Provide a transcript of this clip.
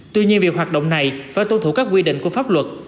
tuy nhiên việc hoạt động này phải tuân thủ các quy định của pháp luật